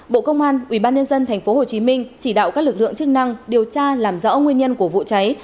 bộ công an ubnd tp hcm chỉ đạo các lực lượng chức năng điều tra làm rõ nguyên nhân của vụ cháy